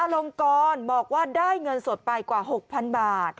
ลงกรบอกว่าได้เงินสดไปกว่า๖๐๐๐บาท